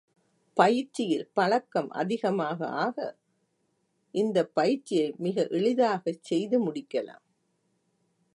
பயிற்சியில் பழக்கம் அதிகமாக ஆக, இந்தப் பயிற்சியை மிக எளிதாகச் செய்து முடிக்கலாம்.